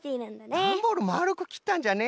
ダンボールまるくきったんじゃね。